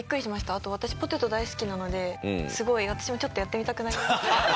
あと私ポテト大好きなので私もちょっとやってみたくなりました。